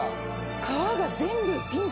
川が全部ピンク。